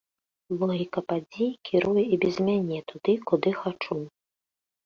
Логіка падзей кіруе і без мяне туды, куды хачу.